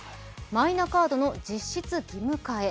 マイナカードの実質義務化へ。